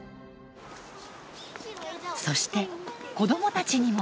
そして子どもたちにも。